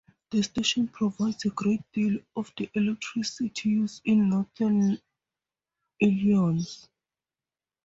The station provides a great deal of the electricity used in northern Illinois.